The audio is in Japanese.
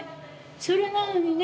それなのにね